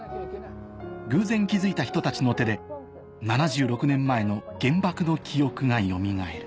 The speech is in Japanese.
偶然気付いた人たちの手で７６年前の原爆の記憶がよみがえる